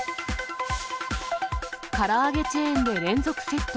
から揚げチェーンで連続窃盗。